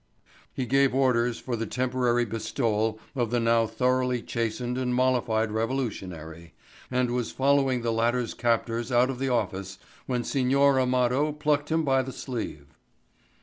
He gave orders for the temporary bestowal of the now thoroughly chastened and mollified revolutionary, and was following the latter's captors out of the office when Signor Amado plucked him by the sleeve.